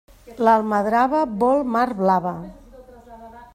L'almadrava vol mar blava.